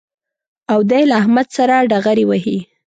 او دی له احمد سره ډغرې وهي